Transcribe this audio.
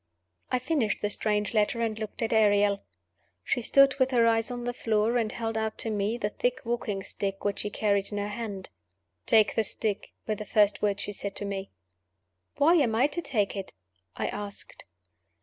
I finished the strange letter, and looked at Ariel. She stood with her eyes on the floor, and held out to me the thick walking stick which she carried in her hand. "Take the stick" were the first words she said to me. "Why am I to take it?" I asked.